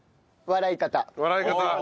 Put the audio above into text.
笑い方。